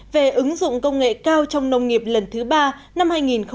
về ứng dụng công nghệ cao trong nông nghiệp lần thứ ba năm hai nghìn một mươi chín